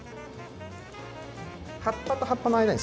葉っぱと葉っぱの間に。